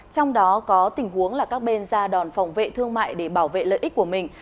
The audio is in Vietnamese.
trong đó có tình huống là các bên ra đòn phòng vệ thương mại để bảo vệ lợi ích của mình